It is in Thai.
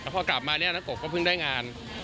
แล้วพอกลับมานี้น้องกบก็เพิ่งได้งาน